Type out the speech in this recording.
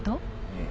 うん。